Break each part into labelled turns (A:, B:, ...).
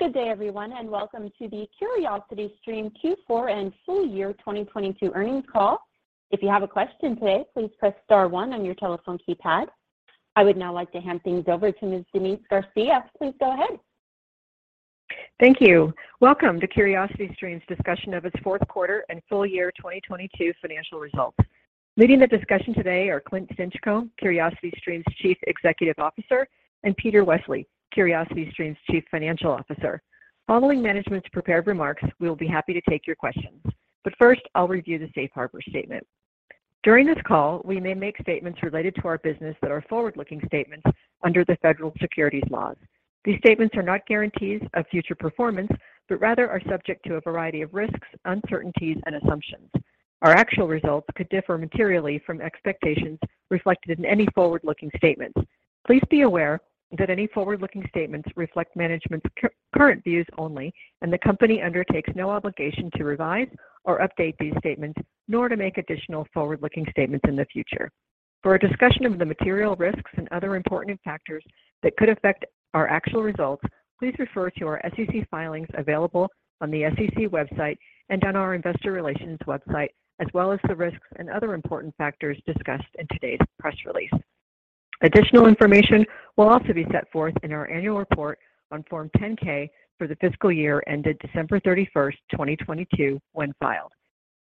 A: Good day, everyone. Welcome to the CuriosityStream Q4 and full year 2022 earnings call. If you have a question today, please press star one on your telephone keypad. I would now like to hand things over to Ms. Denise Garcia. Please go ahead.
B: Thank you. Welcome to CuriosityStream's discussion of its fourth quarter and full year 2022 financial results. Leading the discussion today are Clint Stinchcomb, CuriosityStream's Chief Executive Officer, and Peter Westley, CuriosityStream's Chief Financial Officer. Following management's prepared remarks, we will be happy to take your questions. First, I'll review the safe harbor statement. During this call, we may make statements related to our business that are forward-looking statements under the federal securities laws. These statements are not guarantees of future performance, but rather are subject to a variety of risks, uncertainties and assumptions. Our actual results could differ materially from expectations reflected in any forward-looking statements. Please be aware that any forward-looking statements reflect management's current views only, the company undertakes no obligation to revise or update these statements, nor to make additional forward-looking statements in the future. For a discussion of the material risks and other important factors that could affect our actual results, please refer to our SEC filings available on the SEC website and on our investor relations website, as well as the risks and other important factors discussed in today's press release. Additional information will also be set forth in our annual report on Form 10-K for the fiscal year ended December 31, 2022, when filed.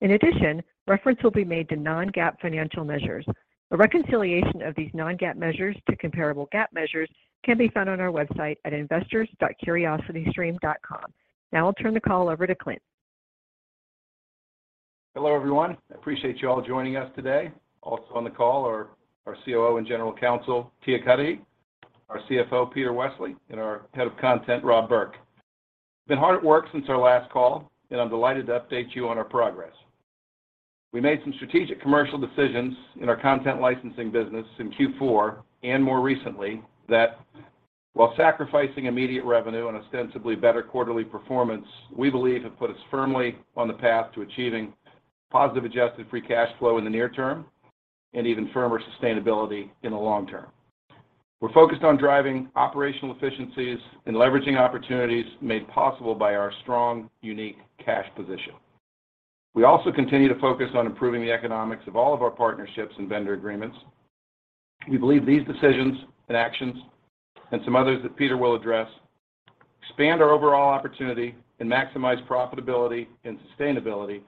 B: In addition, reference will be made to non-GAAP financial measures. A reconciliation of these non-GAAP measures to comparable GAAP measures can be found on our website at investors dot CuriosityStream dot com. Now I'll turn the call over to Clint.
C: Hello, everyone. I appreciate you all joining us today. Also on the call are our COO and General Counsel, Tia Cudahy, our CFO, Peter Westley, and our Head of Content, Rob Burk. We've been hard at work since our last call, and I'm delighted to update you on our progress. We made some strategic commercial decisions in our content licensing business in Q4 and more recently that while sacrificing immediate revenue and ostensibly better quarterly performance, we believe have put us firmly on the path to achieving positive Adjusted Free Cash Flow in the near term and even firmer sustainability in the long term. We're focused on driving operational efficiencies and leveraging opportunities made possible by our strong, unique cash position. We also continue to focus on improving the economics of all of our partnerships and vendor agreements. We believe these decisions and actions and some others that Peter will address, expand our overall opportunity and maximize profitability and sustainability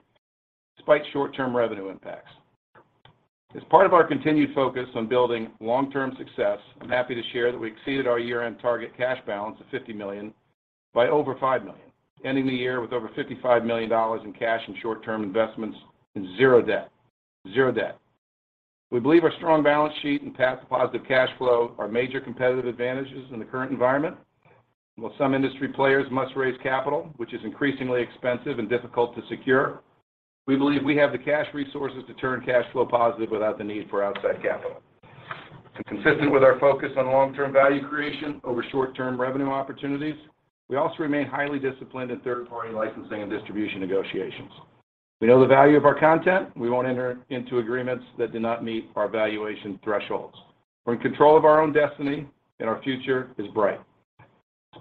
C: despite short-term revenue impacts. As part of our continued focus on building long-term success, I'm happy to share that we exceeded our year-end target cash balance of $50 million by over $5 million, ending the year with over $55 million in cash and short-term investments and zero debt. Zero debt. We believe our strong balance sheet and past positive cash flow are major competitive advantages in the current environment. While some industry players must raise capital, which is increasingly expensive and difficult to secure, we believe we have the cash resources to turn cash flow positive without the need for outside capital. Consistent with our focus on long-term value creation over short-term revenue opportunities, we also remain highly disciplined in third-party licensing and distribution negotiations. We know the value of our content. We won't enter into agreements that do not meet our valuation thresholds. We're in control of our own destiny and our future is bright.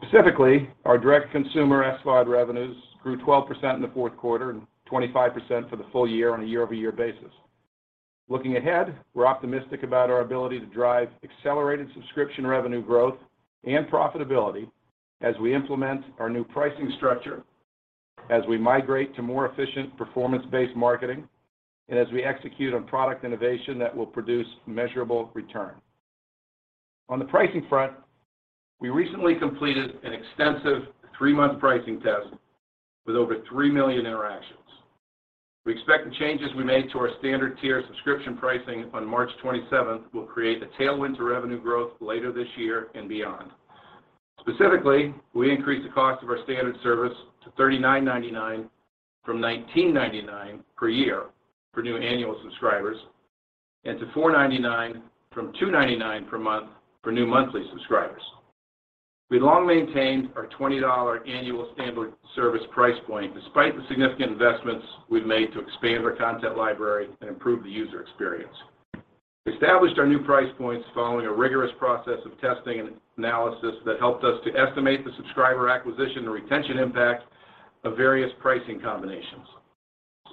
C: Specifically, our direct consumer SVOD revenues grew 12% in the fourth quarter and 25% for the full year on a year-over-year basis. Looking ahead, we're optimistic about our ability to drive accelerated subscription revenue growth and profitability as we implement our new pricing structure, as we migrate to more efficient performance-based marketing, and as we execute on product innovation that will produce measurable return. On the pricing front, we recently completed an extensive 3-month pricing test with over 3 million interactions. We expect the changes we made to our standard tier subscription pricing on March 27th will create a tailwind to revenue growth later this year and beyond. Specifically, we increased the cost of our standard service to $39.99 from $19.99 per year for new annual subscribers and to $4.99 from $2.99 per month for new monthly subscribers. We long maintained our $20 annual standard service price point despite the significant investments we've made to expand our content library and improve the user experience. We established our new price points following a rigorous process of testing and analysis that helped us to estimate the subscriber acquisition and retention impact of various pricing combinations.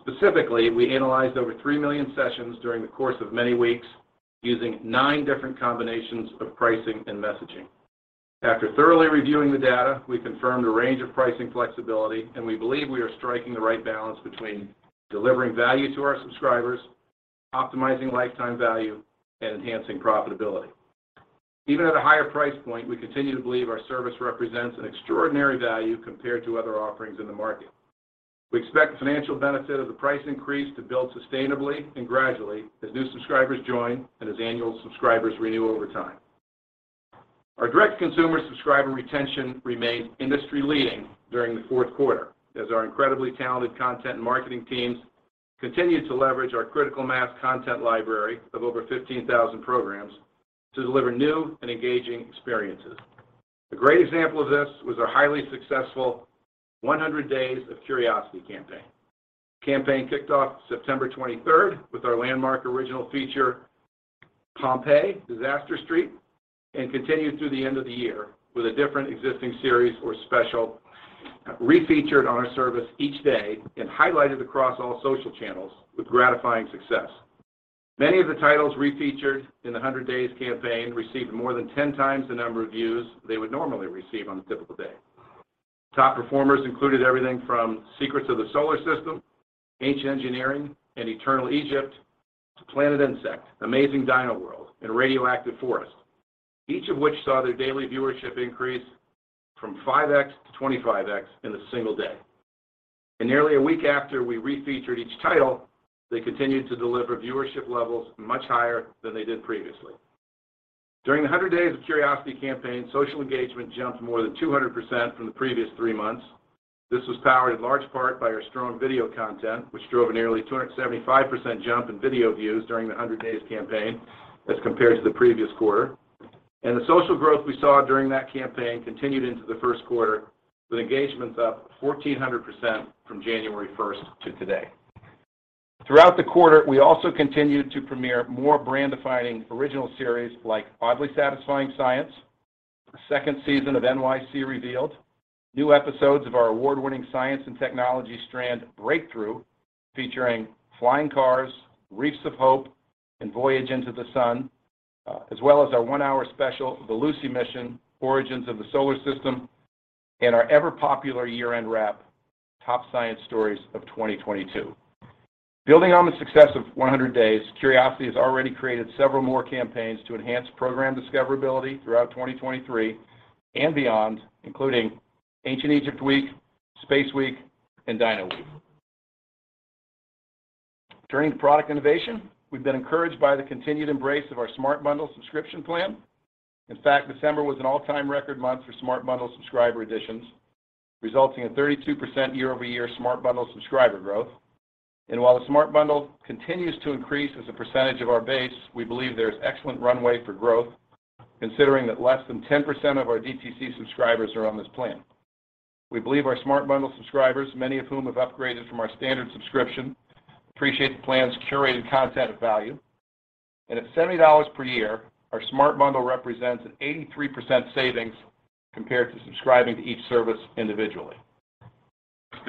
C: Specifically, we analyzed over 3 million sessions during the course of many weeks using nine different combinations of pricing and messaging. After thoroughly reviewing the data, we confirmed a range of pricing flexibility, we believe we are striking the right balance between delivering value to our subscribers, optimizing lifetime value, and enhancing profitability. Even at a higher price point, we continue to believe our service represents an extraordinary value compared to other offerings in the market. We expect the financial benefit of the price increase to build sustainably and gradually as new subscribers join and as annual subscribers renew over time. Our direct consumer subscriber retention remained industry-leading during the fourth quarter as our incredibly talented content and marketing teams continued to leverage our critical mass content library of over 15,000 programs to deliver new and engaging experiences. A great example of this was our highly successful 100 Days of Curiosity campaign. The campaign kicked off September 23rd with our landmark original feature Pompeii: Disaster Street, and continued through the end of the year with a different existing series or special refeatured on our service each day and highlighted across all social channels with gratifying success. Many of the titles refeatured in the 100 Days of Curiosity campaign received more than 10 times the number of views they would normally receive on a typical day. Top performers included everything from Secrets of the Solar System, Ancient Engineering, and Eternal Egypt to Planet Insect, Amazing Dino World, and Radioactive Forest, each of which saw their daily viewership increase from 5x to 25x in a single day. Nearly a week after we refeatured each title, they continued to deliver viewership levels much higher than they did previously. During the 100 Days of Curiosity campaign, social engagement jumped more than 200% from the previous three months. This was powered in large part by our strong video content, which drove a nearly 275% jump in video views during the 100 Days of Curiosity campaign as compared to the previous quarter. The social growth we saw during that campaign continued into the first quarter, with engagements up 1,400% from January 1st to today. Throughout the quarter, we also continued to premiere more brand-defining original series like Oddly Satisfying Science, the second season of NYC Revealed, new episodes of our award-winning science and technology strand Breakthrough, featuring flying cars, reefs of hope, and voyage into the sun, as well as our one-hour special, The Lucy Mission: Origins of the Solar System, and our ever-popular year-end wrap, Top Science Stories of 2022. Building on the success of 100 Days, Curiosity has already created several more campaigns to enhance program discoverability throughout 2023 and beyond, including Ancient Egypt Week, Space Week, and Dino Week. Turning to product innovation, we've been encouraged by the continued embrace of our Smart Bundle subscription plan. In fact, December was an all-time record month for Smart Bundle subscriber additions, resulting in 32% year-over-year Smart Bundle subscriber growth. While the Smart Bundle continues to increase as a percentage of our base, we believe there's excellent runway for growth, considering that less than 10% of our DTC subscribers are on this plan. We believe our Smart Bundle subscribers, many of whom have upgraded from our standard subscription, appreciate the plan's curated content value. At $70 per year, our Smart Bundle represents an 83% savings compared to subscribing to each service individually.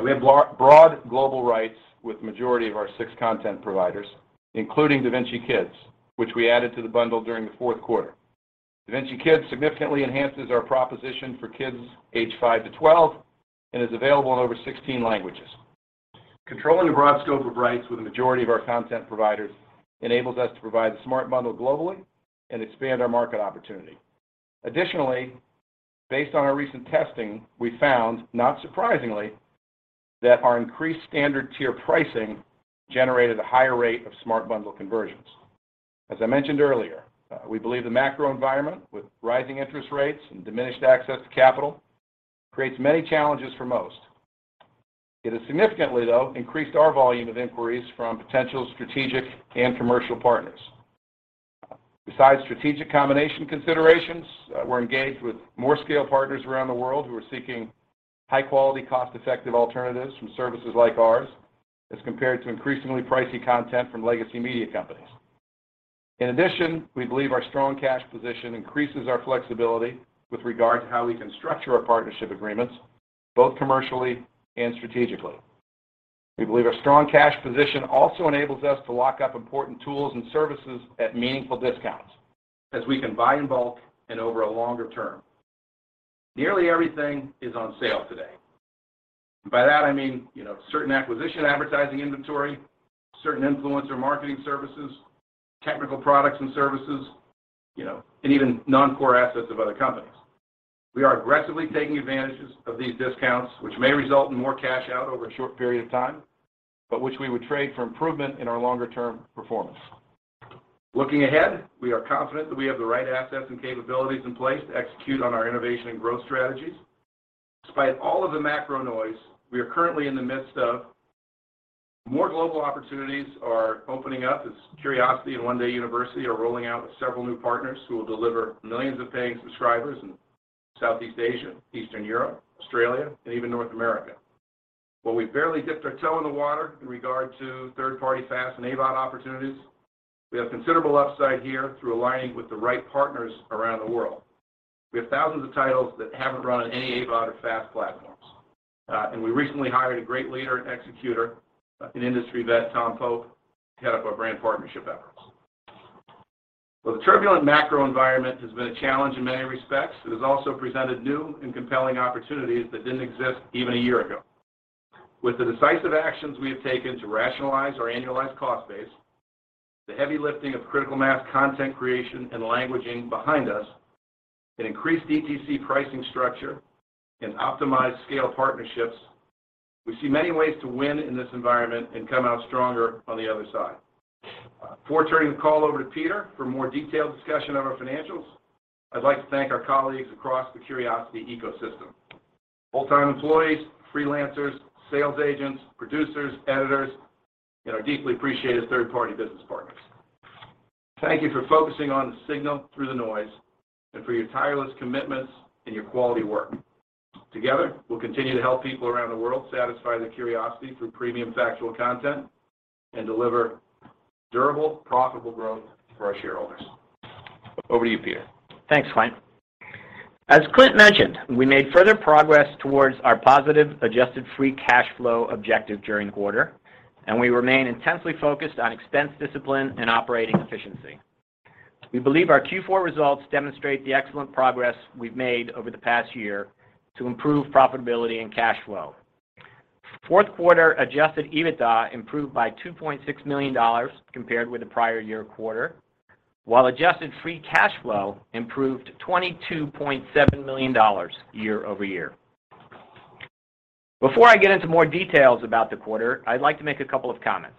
C: We have broad global rights with majority of our six content providers, including Da Vinci Kids, which we added to the bundle during the fourth quarter. Da Vinci Kids significantly enhances our proposition for kids age 5 to 12 and is available in over 16 languages. Controlling a broad scope of rights with a majority of our content providers enables us to provide the Smart Bundle globally and expand our market opportunity. Based on our recent testing, we found, not surprisingly, that our increased standard tier pricing generated a higher rate of Smart Bundle conversions. As I mentioned earlier, we believe the macro environment with rising interest rates and diminished access to capital creates many challenges for most. It has significantly, though, increased our volume of inquiries from potential strategic and commercial partners. Besides strategic combination considerations, we're engaged with more scale partners around the world who are seeking high-quality, cost-effective alternatives from services like ours as compared to increasingly pricey content from legacy media companies. We believe our strong cash position increases our flexibility with regard to how we can structure our partnership agreements, both commercially and strategically. We believe our strong cash position also enables us to lock up important tools and services at meaningful discounts as we can buy in bulk and over a longer term. Nearly everything is on sale today. By that, I mean, you know, certain acquisition advertising inventory, certain influencer marketing services, technical products and services, you know, and even non-core assets of other companies. We are aggressively taking advantages of these discounts, which may result in more cash out over a short period of time, but which we would trade for improvement in our longer-term performance. Looking ahead, we are confident that we have the right assets and capabilities in place to execute on our innovation and growth strategies. Despite all of the macro noise, we are currently in the midst of more global opportunities are opening up as Curiosity and One Day University are rolling out with several new partners who will deliver millions of paying subscribers in Southeast Asia, Eastern Europe, Australia, and even North America. While we barely dipped our toe in the water in regard to third-party FAST and AVOD opportunities, we have considerable upside here through aligning with the right partners around the world. We have thousands of titles that haven't run on any AVOD or FAST platforms. We recently hired a great leader and executor, an industry vet, Tom Pope, head up our brand partnership efforts. Well, the turbulent macro environment has been a challenge in many respects. It has also presented new and compelling opportunities that didn't exist even 1 year ago. With the decisive actions we have taken to rationalize our annualized cost base, the heavy lifting of critical mass content creation and languaging behind us, an increased DTC pricing structure, and optimized scale partnerships, we see many ways to win in this environment and come out stronger on the other side. Before turning the call over to Peter for more detailed discussion of our financials, I'd like to thank our colleagues across the Curiosity ecosystem, full-time employees, freelancers, sales agents, producers, editors, and our deeply appreciated third-party business partners. Thank you for focusing on the signal through the noise and for your tireless commitments and your quality work.
D: Together, we'll continue to help people around the world satisfy their curiosity through premium factual content and deliver durable, profitable growth for our shareholders. Over to you, Peter.
E: Thanks, Clint. As Clint mentioned, we made further progress towards our positive Adjusted Free Cash Flow objective during the quarter, and we remain intensely focused on expense discipline and operating efficiency. We believe our Q4 results demonstrate the excellent progress we've made over the past year to improve profitability and cash flow. Fourth quarter Adjusted EBITDA improved by $2.6 million compared with the prior year quarter, while Adjusted Free Cash Flow improved $22.7 million year-over-year. Before I get into more details about the quarter, I'd like to make a couple of comments.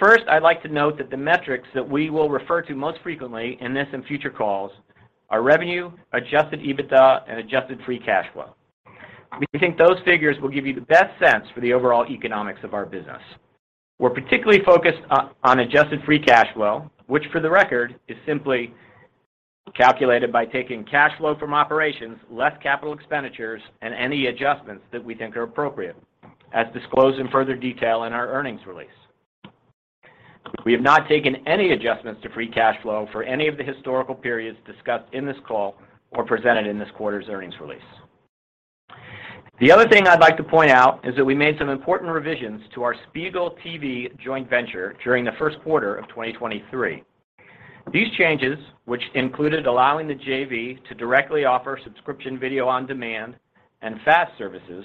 E: First, I'd like to note that the metrics that we will refer to most frequently in this and future calls are revenue, Adjusted EBITDA, and Adjusted Free Cash Flow. We think those figures will give you the best sense for the overall economics of our business. We're particularly focused on Adjusted Free Cash Flow, which for the record, is simply calculated by taking cash flow from operations, less capital expenditures, and any adjustments that we think are appropriate, as disclosed in further detail in our earnings release. We have not taken any adjustments to free cash flow for any of the historical periods discussed in this call or presented in this quarter's earnings release. The other thing I'd like to point out is that we made some important revisions to our SPIEGEL TV joint venture during the first quarter of 2023. These changes, which included allowing the JV to directly offer subscription video-on-demand and FAST services,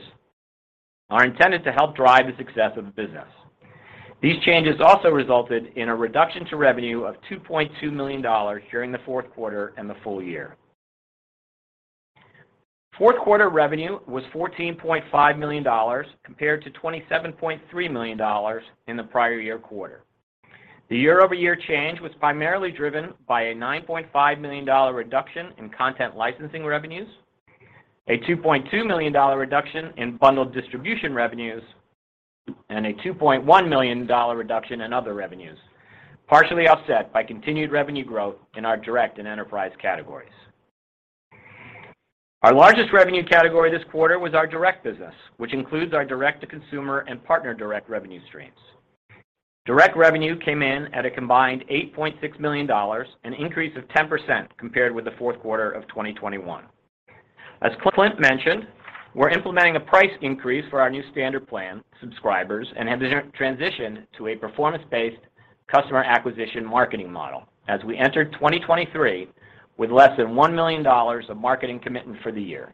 E: are intended to help drive the success of the business. These changes also resulted in a reduction to revenue of $2.2 million during the fourth quarter and the full year. Fourth quarter revenue was $14.5 million compared to $27.3 million in the prior year quarter. The year-over-year change was primarily driven by a $9.5 million reduction in content licensing revenues, a $2.2 million reduction in bundled distribution revenues, and a $2.1 million reduction in other revenues, partially offset by continued revenue growth in our direct and enterprise categories. Our largest revenue category this quarter was our direct business, which includes our direct-to-consumer and partner direct revenue streams. Direct revenue came in at a combined $8.6 million, an increase of 10% compared with the fourth quarter of 2021. As Clint mentioned, we're implementing a price increase for our new standard plan subscribers and have transitioned to a performance-based customer acquisition marketing model as we enter 2023 with less than $1 million of marketing commitment for the year.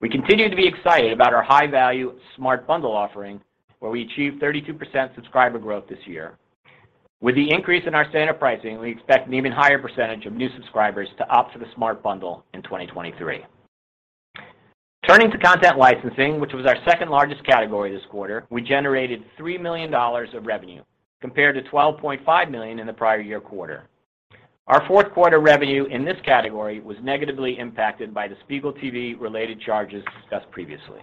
E: We continue to be excited about our high-value Smart Bundle offering, where we achieved 32% subscriber growth this year. With the increase in our standard pricing, we expect an even higher percentage of new subscribers to opt for the Smart Bundle in 2023. Turning to content licensing, which was our second-largest category this quarter, we generated $3 million of revenue compared to $12.5 million in the prior year quarter. Our fourth quarter revenue in this category was negatively impacted by the SPIEGEL TV-related charges discussed previously.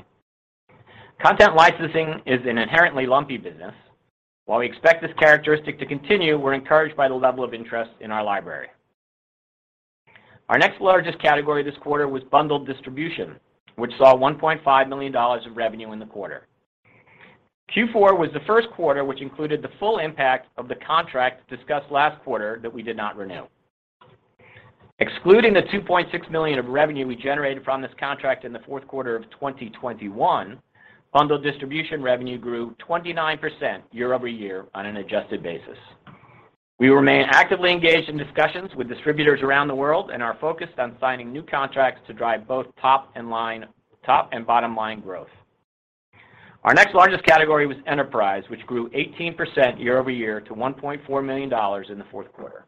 E: Content licensing is an inherently lumpy business. While we expect this characteristic to continue, we're encouraged by the level of interest in our library. Our next largest category this quarter was bundled distribution, which saw $1.5 million of revenue in the quarter. Q4 was the first quarter which included the full impact of the contract discussed last quarter that we did not renew. Excluding the $2.6 million of revenue we generated from this contract in the fourth quarter of 2021, bundled distribution revenue grew 29% year-over-year on an adjusted basis. We remain actively engaged in discussions with distributors around the world and are focused on signing new contracts to drive both top and bottom line growth. Our next largest category was enterprise, which grew 18% year-over-year to $1.4 million in the fourth quarter.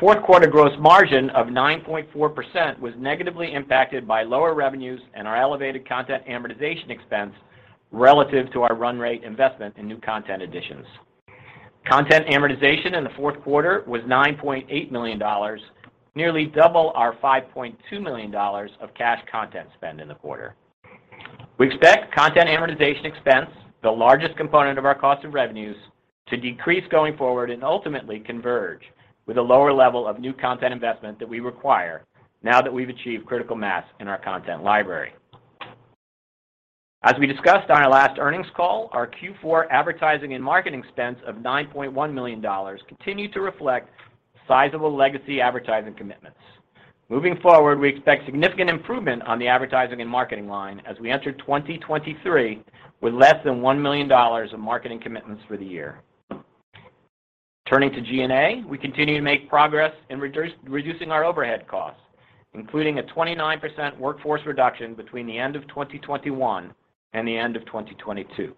E: Fourth quarter gross margin of 9.4% was negatively impacted by lower revenues and our elevated content amortization expense relative to our run rate investment in new content additions. Content amortization in the fourth quarter was $9.8 million, nearly double our $5.2 million of cash content spend in the quarter. We expect content amortization expense, the largest component of our cost of revenues, to decrease going forward and ultimately converge with a lower level of new content investment that we require now that we've achieved critical mass in our content library. As we discussed on our last earnings call, our Q4 advertising and marketing expense of $9.1 million continued to reflect sizable legacy advertising commitments. Moving forward, we expect significant improvement on the advertising and marketing line as we enter 2023 with less than $1 million of marketing commitments for the year. Turning to G&A, we continue to make progress in reducing our overhead costs, including a 29% workforce reduction between the end of 2021 and the end of 2022.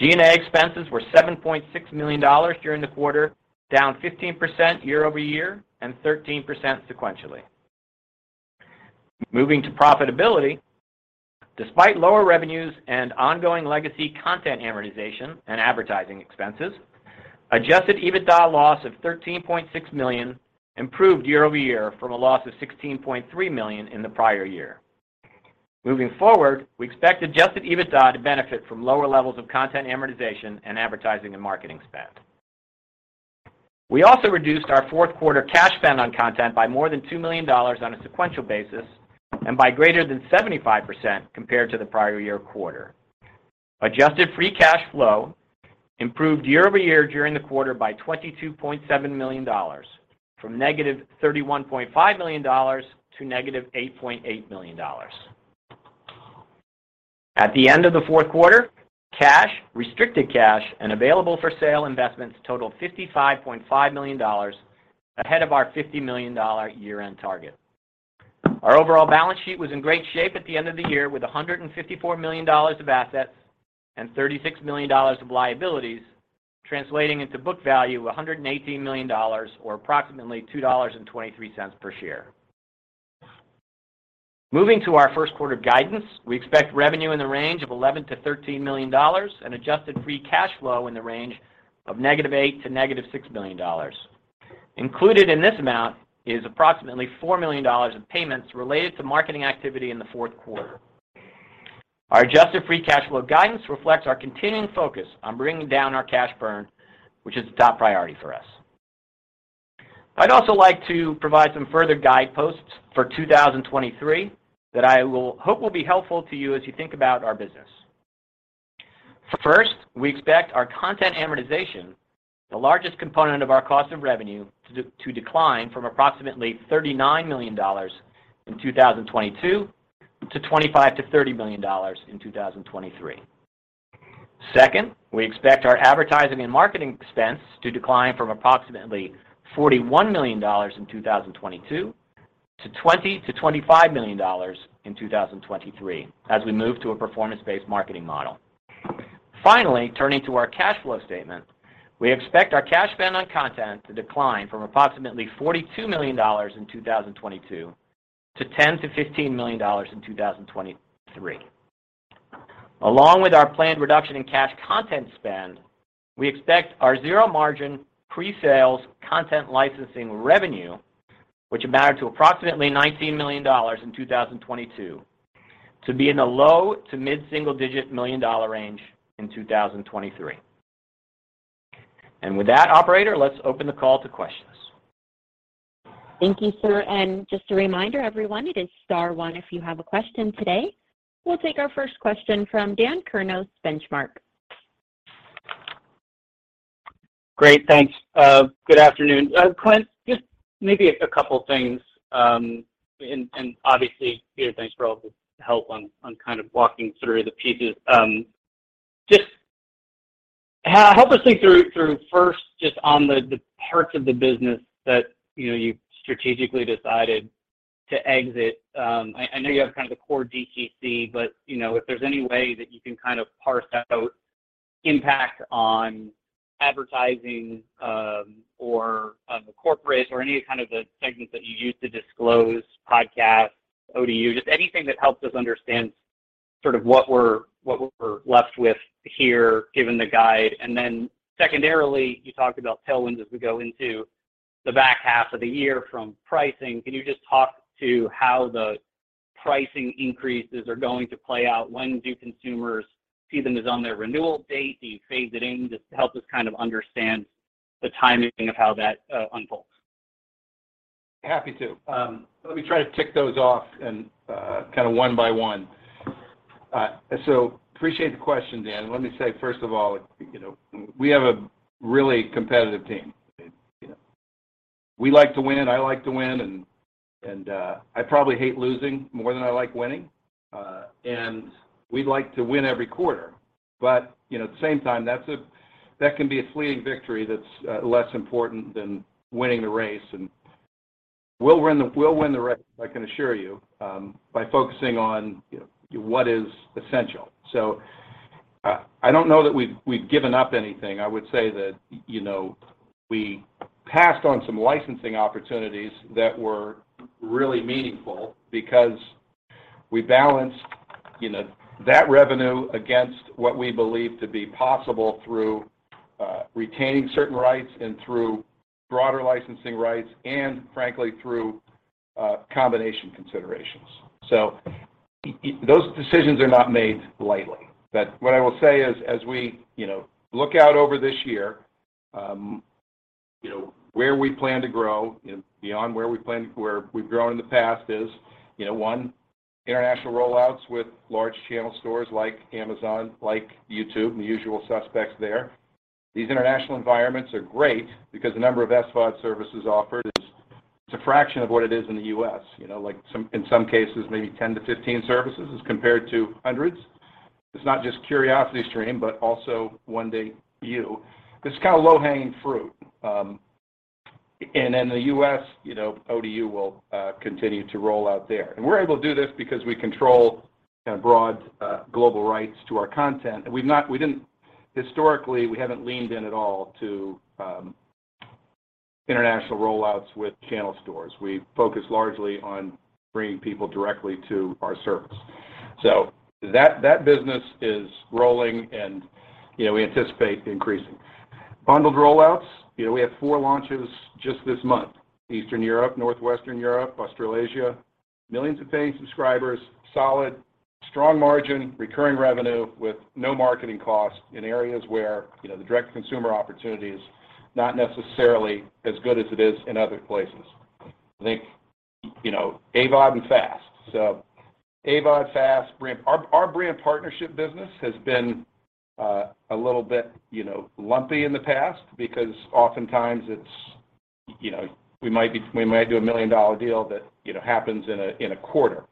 E: G&A expenses were $7.6 million during the quarter, down 15% year-over-year and 13% sequentially. Moving to profitability, despite lower revenues and ongoing legacy content amortization and advertising expenses, Adjusted EBITDA loss of $13.6 million improved year-over-year from a loss of $16.3 million in the prior year. Moving forward, we expect Adjusted EBITDA to benefit from lower levels of content amortization and advertising and marketing spend.
C: We also reduced our fourth quarter cash spend on content by more than $2 million on a sequential basis and by greater than 75% compared to the prior year quarter. Adjusted Free Cash Flow improved year-over-year during the quarter by $22.7 million, from negative $31.5 million to negative $8.8 million. At the end of the fourth quarter, cash, restricted cash, and available for sale investments totaled $55.5 million ahead of our $50 million year-end target. Our overall balance sheet was in great shape at the end of the year with $154 million of assets and $36 million of liabilities, translating into book value $118 million or approximately $2.23 per share. Moving to our first quarter guidance, we expect revenue in the range of $11 million-$13 million and Adjusted Free Cash Flow in the range of negative $8 million-negative $6 million. Included in this amount is approximately $4 million of payments related to marketing activity in the fourth quarter. Our Adjusted Free Cash Flow guidance reflects our continuing focus on bringing down our cash burn, which is a top priority for us. I'd also like to provide some further guideposts for 2023 that I will hope will be helpful to you as you think about our business. First, we expect our content amortization, the largest component of our cost of revenue, to decline from approximately $39 million in 2022 to $25 million-$30 million in 2023. Second, we expect our advertising and marketing expense to decline from approximately $41 million in 2022 to $20 million-$25 million in 2023 as we move to a performance-based marketing model. Finally, turning to our cash flow statement, we expect our cash spend on content to decline from approximately $42 million in 2022 to $10 million-$15 million in 2023. Along with our planned reduction in cash content spend, we expect our zero margin presales content licensing revenue, which amounted to approximately $19 million in 2022, to be in the low to mid single-digit million dollar range in 2023. With that, operator, let's open the call to questions.
A: Thank you, sir. Just a reminder, everyone, it is star one if you have a question today. We'll take our first question from Dan Kurnos, The Benchmark Company.
F: Great. Thanks. Good afternoon. Clint, just maybe a couple things. Obviously, Peter, thanks for all the help on kind of walking through the pieces. Just help us think through first just on the parts of the business that, you know, you strategically decided to exit. I know you have kind of the core DTC, but, you know, if there's any way that you can kind of parse out impact on advertising, or on the corporate or any of kind of the segments that you used to disclose, podcast, ODU, just anything that helps us understand sort of what we're left with here, given the guide. Secondarily, you talked about tailwinds as we go into the back half of the year from pricing. Can you just talk to how the pricing increases are going to play out? When do consumers see them as on their renewal date? Do you phase it in? Just to help us kind of understand the timing of how that unfolds.
C: Happy to. Let me try to tick those off and kind of one by one. Appreciate the question, Dan. Let me say, first of all, you know, we have a really competitive team. You know, we like to win, I like to win, and I probably hate losing more than I like winning. We like to win every quarter. You know, at the same time, that can be a fleeting victory that's less important than winning the race. We'll win the race, I can assure you, by focusing on, you know, what is essential. I don't know that we've given up anything. I would say that, you know, we passed on some licensing opportunities that were really meaningful because we balanced, you know, that revenue against what we believe to be possible through retaining certain rights and through broader licensing rights and frankly, through combination considerations. Those decisions are not made lightly. What I will say is, as we, you know, look out over this year, you know, where we plan to grow and beyond where we've grown in the past is, you know, one, international rollouts with large channel stores like Amazon, like YouTube, and the usual suspects there. These international environments are great because the number of SVOD services offered, it's a fraction of what it is in the US, you know. Like, in some cases, maybe 10-15 services as compared to hundreds. It's not just CuriosityStream, but also One Day University. This is kind of low-hanging fruit. In the U.S., you know, ODU will continue to roll out there. We're able to do this because we control kind of broad global rights to our content. Historically, we haven't leaned in at all to international rollouts with channel stores. We focus largely on bringing people directly to our service. That business is rolling and, you know, we anticipate increasing. Bundled rollouts, you know, we have four launches just this month: Eastern Europe, Northwestern Europe, Australasia. Millions of paying subscribers, Strong margin, recurring revenue with no marketing costs in areas where, you know, the direct consumer opportunity is not necessarily as good as it is in other places. I think, you know, AVOD and FAST. AVOD, FAST. Our brand partnership business has been a little bit, you know, lumpy in the past because oftentimes it's, you know, we might do a $1 million deal that, you know, happens in a quarter.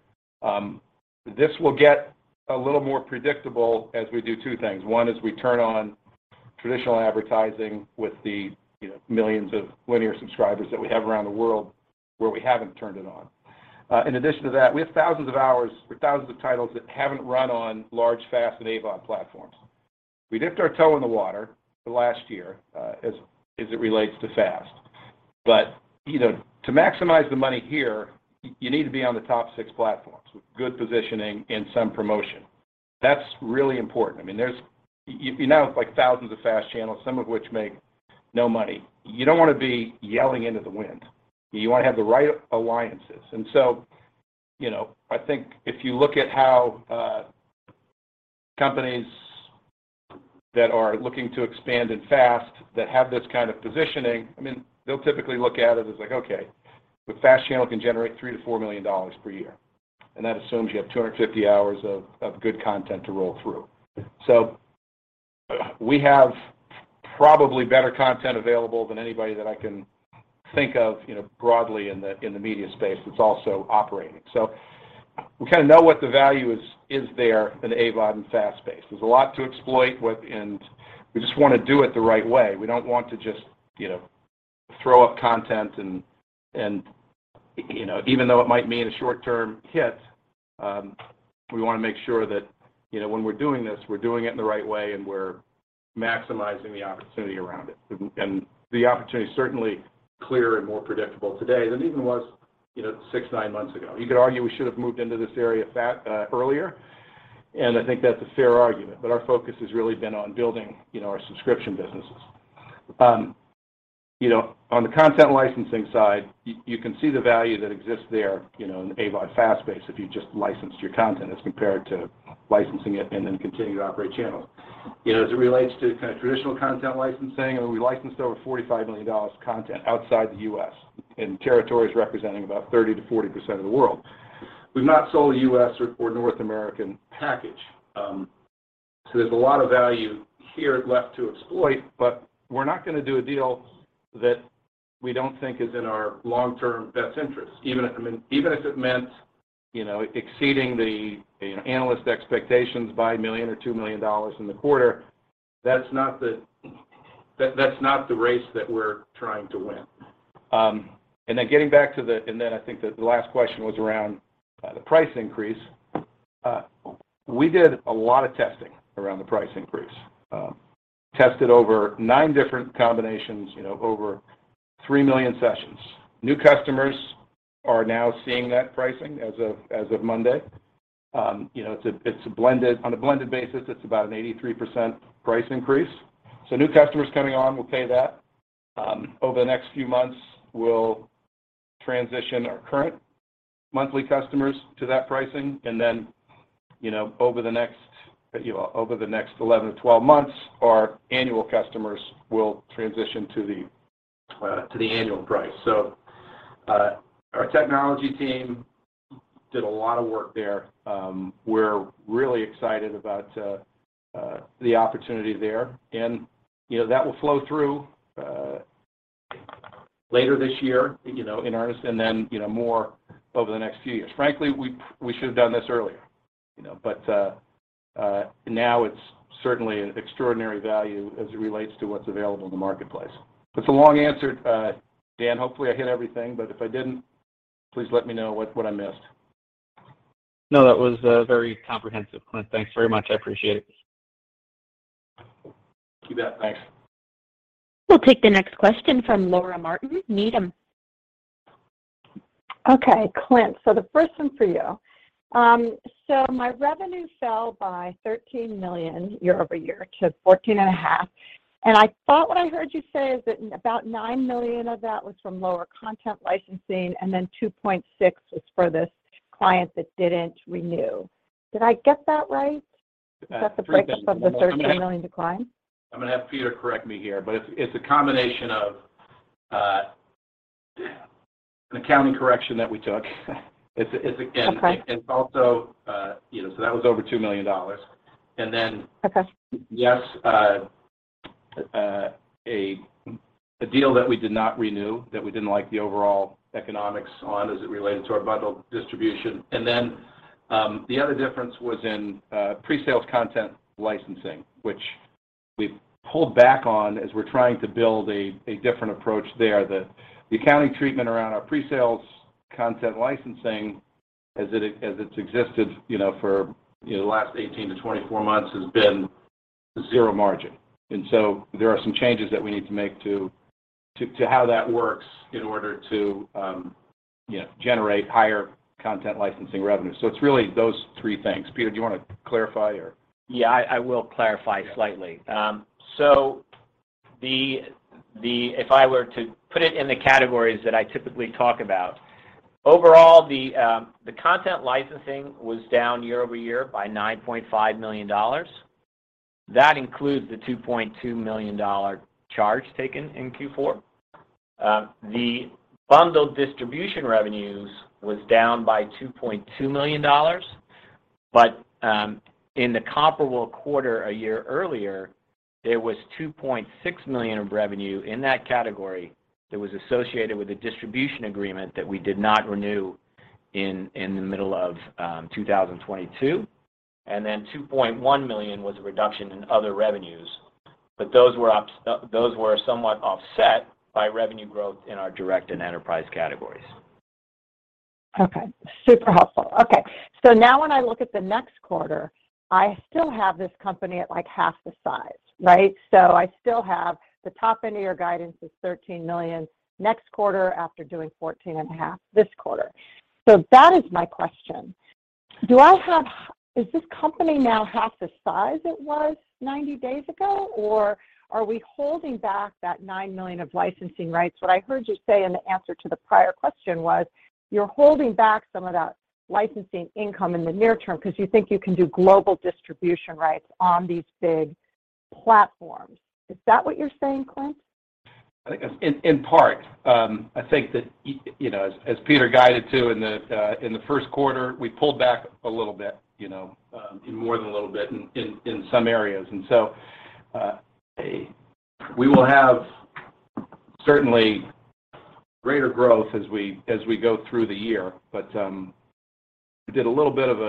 C: This will get a little more predictable as we do two things. One is we turn on traditional advertising with the, you know, millions of linear subscribers that we have around the world where we haven't turned it on. In addition to that, we have thousands of hours or thousands of titles that haven't run on large FAST and AVOD platforms. We dipped our toe in the water the last year as it relates to FAST. You know, to maximize the money here, you need to be on the top 6 platforms with good positioning and some promotion. That's really important. I mean, there's you know, it's like thousands of FAST channels, some of which make no money. You don't wanna be yelling into the wind. You wanna have the right alliances. You know, I think if you look at how companies that are looking to expand and FAST that have this kind of positioning, I mean, they'll typically look at it as like, "Okay, the FAST channel can generate $3 million-$4 million per year," and that assumes you have 250 hours of good content to roll through. We have probably better content available than anybody that I can think of, you know, broadly in the media space that's also operating. We kinda know what the value is there in AVOD and FAST space. There's a lot to exploit with. We just wanna do it the right way. We don't want to just, you know, throw up content and, you know, even though it might mean a short-term hit, we wanna make sure that, you know, when we're doing this, we're doing it in the right way and we're maximizing the opportunity around it. The opportunity is certainly clearer and more predictable today than even was, you know, six, nine months ago. You could argue we should have moved into this area earlier, and I think that's a fair argument, but our focus has really been on building, you know, our subscription businesses. You know, on the content licensing side, you can see the value that exists there, you know, in the AVOD FAST space if you just licensed your content as compared to licensing it and then continue to operate channels. As it relates to kind of traditional content licensing, I mean, we licensed over $45 million of content outside the U.S. in territories representing about 30%-40% of the world. We've not sold a U.S. or North American package. There's a lot of value here left to exploit, but we're not gonna do a deal that we don't think is in our long-term best interest. Even if, I mean, even if it meant, you know, exceeding the, you know, analyst expectations by $1 million or $2 million in the quarter, that's not the race that we're trying to win. I think the last question was around the price increase. We did a lot of testing around the price increase. Tested over nine different combinations, you know, over 3 million sessions. New customers are now seeing that pricing as of Monday. You know, it's a blended on a blended basis, it's about an 83% price increase. New customers coming on will pay that. Over the next few months, we'll transition our current monthly customers to that pricing, and then, you know, over the next, you know, over the next 11-12 months, our annual customers will transition to the annual price. Our technology team did a lot of work there. We're really excited about the opportunity there, and, you know, that will flow through later this year, you know. You know, more over the next few years. Frankly, we should have done this earlier, you know, but now it's certainly an extraordinary value as it relates to what's available in the marketplace. It's a long answer. Dan, hopefully, I hit everything, but if I didn't, please let me know what I missed.
G: No, that was, very comprehensive, Clint. Thanks very much. I appreciate it.
C: Thank you for that. Thanks.
A: We'll take the next question from Laura Martin, Needham & Company.
H: Clint, the first one's for you. My revenue fell by $13 million year-over-year to 14 and a half, and I thought what I heard you say is that about $9 million of that was from lower content licensing, and then $2.6 million was for this client that didn't renew. Did I get that right?
C: three things.
H: That's the breakup of the $13 million decline.
C: I'm gonna have Peter correct me here, but it's a combination of an accounting correction that we took. It's.
H: Okay...
C: it's also, you know, so that was over $2 million.
H: Okay
C: yes, a deal that we did not renew, that we didn't like the overall economics on as it related to our bundled distribution. The other difference was in pre-sales content licensing, which we've pulled back on as we're trying to build a different approach there. The accounting treatment around our pre-sales content licensing as it's existed, you know, for, you know, the last 18-24 months has been zero margin. There are some changes that we need to make to how that works in order to, you know, generate higher content licensing revenue. It's really those three things. Peter, do you wanna clarify or?
E: Yeah, I will clarify slightly.
C: Yeah.
E: If I were to put it in the categories that I typically talk about, overall the content licensing was down year-over-year by $9.5 million. That includes the $2.2 million charge taken in Q4. The bundled distribution revenues was down by $2.2 million, but in the comparable quarter a year earlier, there was $2.6 million of revenue in that category that was associated with the distribution agreement that we did not renew in the middle of 2022. Then $2.1 million was a reduction in other revenues. Those were up. Those were somewhat offset by revenue growth in our direct and enterprise categories.
H: Okay. Super helpful. Okay. Now when I look at the next quarter, I still have this company at, like, half the size, right? I still have the top end of your guidance is $13 million next quarter after doing $14.5 million this quarter. That is my question. Is this company now half the size it was 90 days ago, or are we holding back that $9 million of licensing rights? What I heard you say in the answer to the prior question was, you're holding back some of that licensing income in the near term because you think you can do global distribution rights on these big platforms. Is that what you're saying, Clint?
C: I think in part, I think that you know, as Peter guided to in the 1st quarter, we pulled back a little bit, you know, more than a little bit in some areas. We will have certainly greater growth as we go through the year. We did a little bit of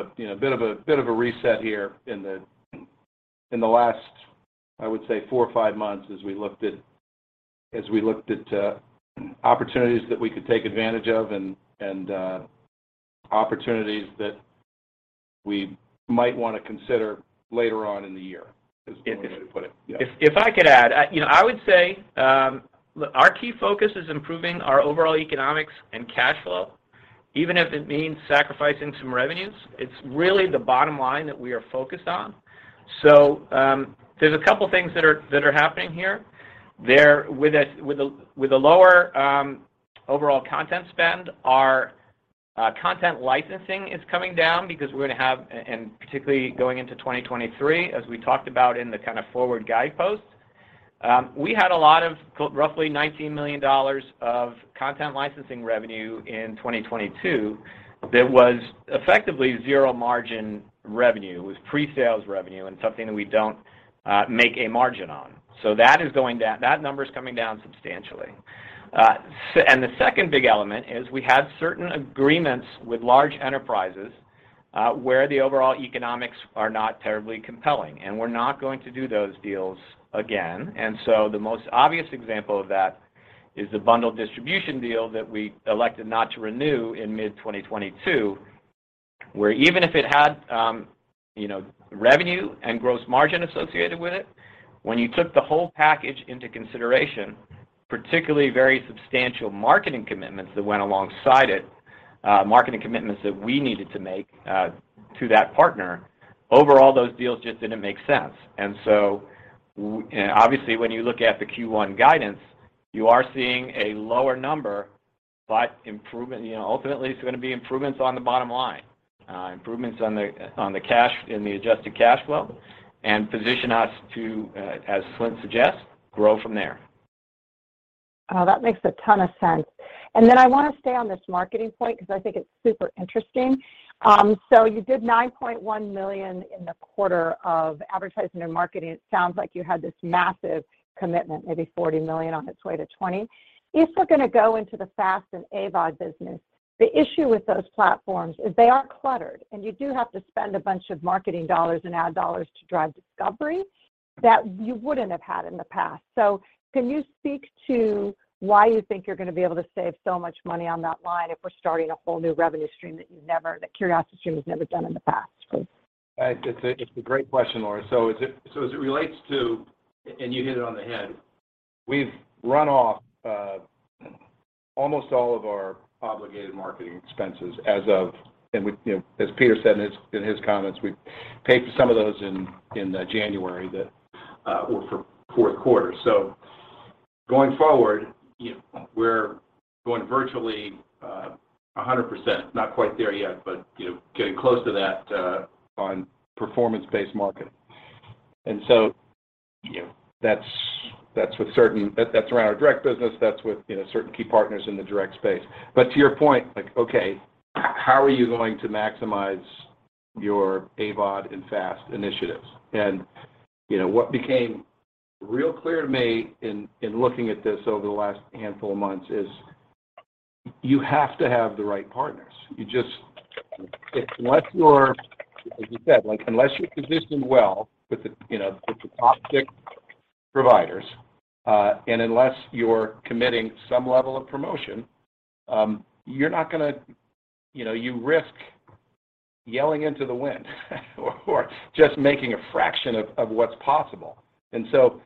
C: a reset here in the last, I would say 4 or 5 months as we looked at opportunities that we could take advantage of and opportunities that we might wanna consider later on in the year is 1 way to put it. Yeah.
E: If I could add, you know, I would say, our key focus is improving our overall economics and cash flow, even if it means sacrificing some revenues. It's really the bottom line that we are focused on. There's a couple things that are happening here. With a lower overall content spend, our content licensing is coming down because we're gonna have and particularly going into 2023, as we talked about in the kind of forward guidepost, we had a lot of roughly $19 million of content licensing revenue in 2022 that was effectively zero margin revenue. It was pre-sales revenue and something that we don't make a margin on. That is going down. That number is coming down substantially. And the second big element is we had certain agreements with large enterprises, where the overall economics are not terribly compelling, and we're not going to do those deals again. The most obvious example of that is the bundled distribution deal that we elected not to renew in mid-2022, where even if it had, you know, revenue and gross margin associated with it, when you took the whole package into consideration, particularly very substantial marketing commitments that went alongside it, marketing commitments that we needed to make, to that partner, overall, those deals just didn't make sense. obviously, when you look at the Q1 guidance, you are seeing a lower number, but improvement, you know, ultimately, it's gonna be improvements on the bottom line, improvements in the adjusted cash flow and position us to, as Clint suggests, grow from there.
H: Oh, that makes a ton of sense. I wanna stay on this marketing point because I think it's super interesting. You did $9.1 million in the quarter of advertising and marketing. It sounds like you had this massive commitment, maybe $40 million on its way to $20 million. If we're gonna go into the FAST and AVOD business, the issue with those platforms is they are cluttered, and you do have to spend a bunch of marketing dollars and ad dollars to drive discovery that you wouldn't have had in the past. Can you speak to why you think you're gonna be able to save so much money on that line if we're starting a whole new revenue stream that CuriosityStream has never done in the past, Clint?
C: It's a great question, Laura. As it relates to, and you hit it on the head, we've run off almost all of our obligated marketing expenses as of... We know, as Peter said in his comments, we paid for some of those in January that were for fourth quarter. Going forward, you know, we're going virtually 100%. Not quite there yet, but, you know, getting close to that on performance-based marketing. You know, that's around our direct business. That's with, you know, certain key partners in the direct space. To your point, like, okay, how are you going to maximize your AVOD and FAST initiatives? You know, what became real clear to me in looking at this over the last handful of months is you have to have the right partners. You just. Unless you're, as you said, like, unless you're positioned well with the, you know, with the top six providers, and unless you're committing some level of promotion, you're not gonna. You know, you risk yelling into the wind or just making a fraction of what's possible. It takes, you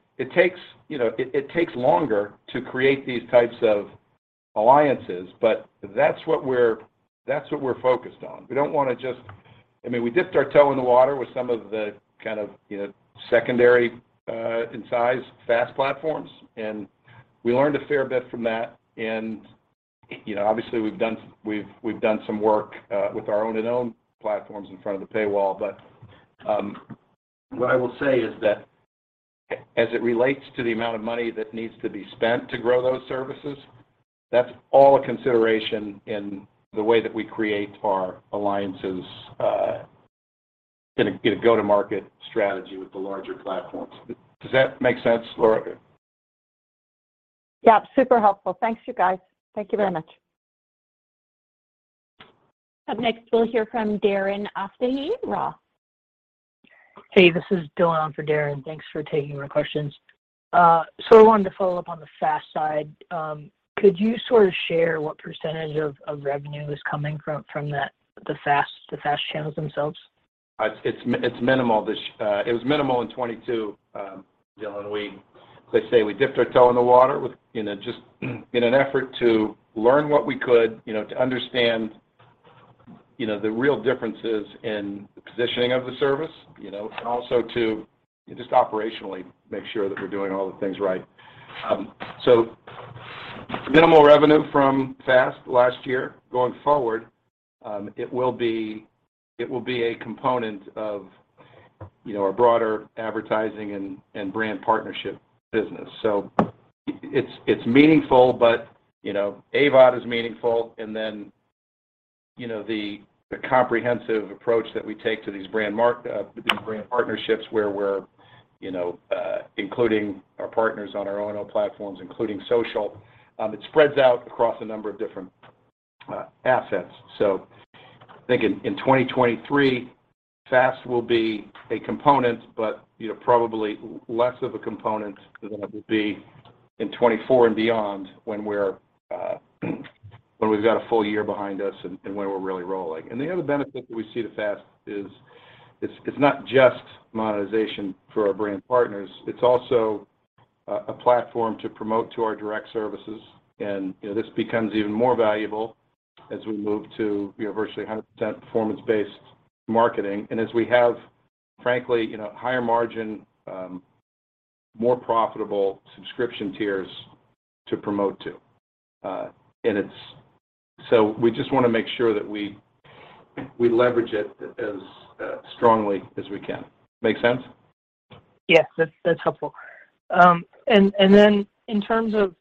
C: know, it takes longer to create these types of alliances, but that's what we're, that's what we're focused on. We don't want to just. I mean, we dipped our toe in the water with some of the kind of, you know, secondary, in size FAST platforms, and we learned a fair bit from that. You know, obviously, we've done some work with our own and owned platforms in front of the paywall. What I will say is that as it relates to the amount of money that needs to be spent to grow those services, that's all a consideration in the way that we create our alliances in a go-to-market strategy with the larger platforms. Does that make sense, Laura?
H: Yeah, super helpful. Thanks, you guys. Thank you very much.
A: Up next, we'll hear from Dillon Heslin, Roth Capital Partners.
I: Hey, this is Dillon for Darren. Thanks for taking my questions. I wanted to follow up on the FAST side. Could you sort of share what percentage of revenue is coming from that, the FAST channels themselves?
C: It's minimal this. It was minimal in 2022, Dylan. Let's say we dipped our toe in the water with, you know, just in an effort to learn what we could, you know, to understand, you know, the real differences in the positioning of the service, you know, and also to just operationally make sure that we're doing all the things right. Minimal revenue from FAST last year. Going forward, it will be, it will be a component of, you know, our broader advertising and brand partnership business. It's meaningful, but, you know, AVOD is meaningful, and then, you know, the comprehensive approach that we take to these brand partnerships where we're, you know, including our partners on our O&O platforms, including social, it spreads out across a number of different assets. I think in 2023, FAST will be a component, but, you know, probably less of a component than it will be in 2024 and beyond when we're when we've got a full year behind us and when we're really rolling. The other benefit that we see to FAST is it's not just monetization for our brand partners. It's also a platform to promote to our direct services. You know, this becomes even more valuable as we move to, you know, virtually 100% performance-based marketing. As we have, frankly, you know, higher margin, more profitable subscription tiers to promote to. So we just wanna make sure that we leverage it as strongly as we can. Make sense?
I: Yes. That's helpful. And then in terms of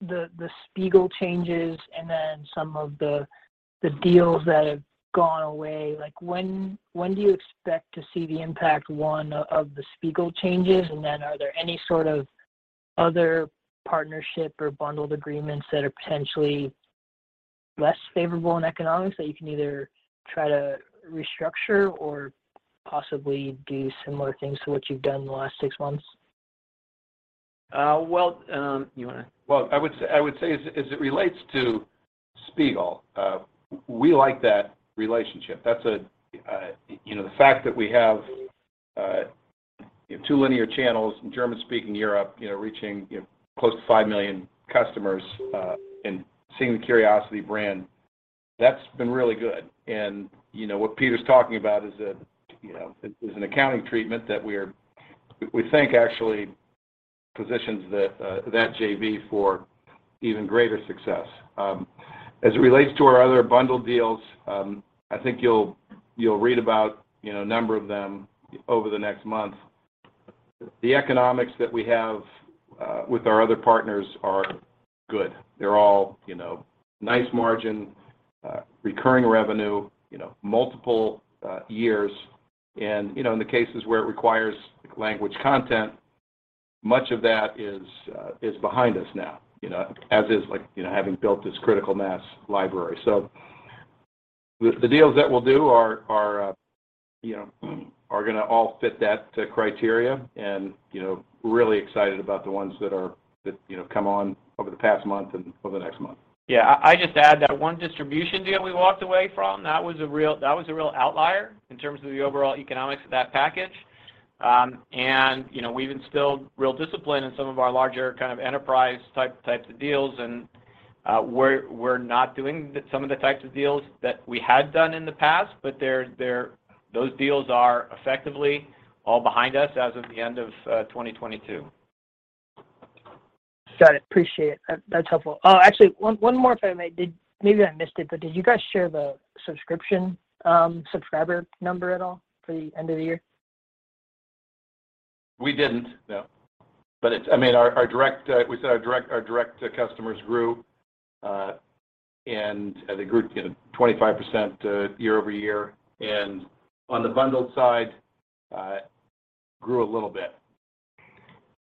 I: the SPIEGEL changes and then some of the deals that have gone away, like when do you expect to see the impact, one, of the SPIEGEL changes? Are there any sort of other partnership or bundled agreements that are potentially less favorable in economics that you can either try to restructure or possibly do similar things to what you've done in the last six months?
C: Well, I would say as it relates to SPIEGEL, we like that relationship. That's a, you know, the fact that we have, you have two linear channels in German-speaking Europe, you know, reaching, you know, close to 5 million customers, and seeing the Curiosity brand, that's been really good. What Peter's talking about is that, you know, it's an accounting treatment that we think actually positions the, that JV for even greater success. As it relates to our other bundled deals, I think you'll read about, you know, a number of them over the next month. The economics that we have, with our other partners are good. They're all, you know, nice margin, recurring revenue, you know, multiple, years. You know, in the cases where it requires language content, much of that is behind us now, you know, as is like, you know, having built this critical mass library. The deals that we'll do are, you know, are gonna all fit that criteria, and you know, really excited about the ones that are, you know, come on over the past month and over the next month.
E: Yeah. I just add that one distribution deal we walked away from, that was a real outlier in terms of the overall economics of that package. You know, we've instilled real discipline in some of our larger kind of enterprise types of deals and, we're not doing some of the types of deals that we had done in the past, but those deals are effectively all behind us as of the end of 2022.
I: Got it. Appreciate it. That's helpful. Actually one more if I may. Did maybe I missed it, but did you guys share the subscription subscriber number at all for the end of the year?
C: We didn't, no. It's, I mean, our direct customers grew, and they grew, you know, 25% year-over-year. On the bundled side, grew a little bit.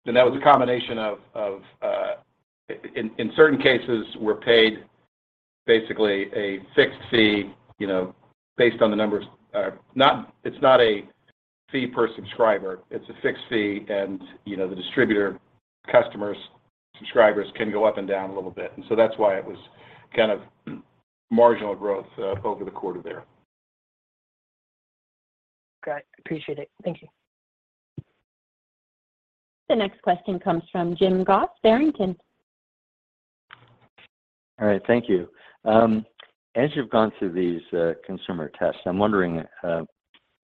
C: That was a combination of, in certain cases, we're paid basically a fixed fee, you know, based on the numbers. Not, it's not a fee per subscriber, it's a fixed fee and, you know, the distributor customers, subscribers can go up and down a little bit. That's why it was kind of marginal growth over the quarter there.
E: Great. Appreciate it. Thank you.
A: The next question comes from Jim Goss, Barrington Research.
J: All right. Thank you. As you've gone through these consumer tests, I'm wondering